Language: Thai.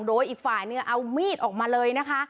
โดยอีกฝ่ายนึงเอามีดออกมาเลยนะคะ